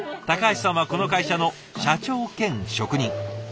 橋さんはこの会社の社長兼職人。